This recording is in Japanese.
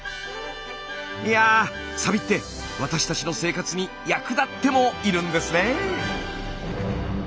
いやサビって私たちの生活に役立ってもいるんですね。